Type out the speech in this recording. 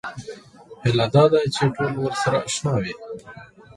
هیله دا ده چې ټول ورسره اشنا وي.